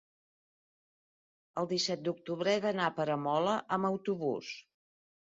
el disset d'octubre he d'anar a Peramola amb autobús.